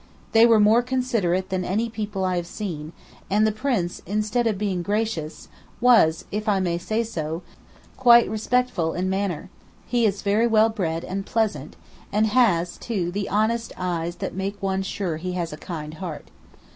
They were more considerate than any people I have seen, and the Prince, instead of being gracious, was, if I may say so, quite respectful in manner: he is very well bred and pleasant, and has, too, the honest eyes that make one sure he has a kind heart.